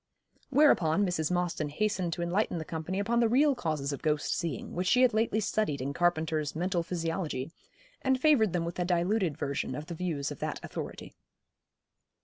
Whereupon Mrs. Mostyn hastened to enlighten the company upon the real causes of ghost seeing, which she had lately studied in Carpenter's 'Mental Physiology,' and favoured them with a diluted version of the views of that authority.